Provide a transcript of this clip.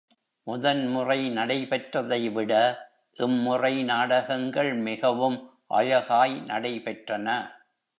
முதன்முறை நடைபெற்றதைவிட, இம்முறை நாடகங்கள் மிகவும் அழகாய் நடைபெற்றன.